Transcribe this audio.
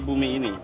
di bumi ini